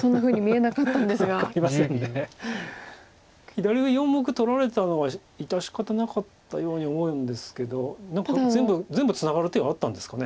左上４目取られたのは致し方なかったように思うんですけど何か全部ツナがる手があったんですか。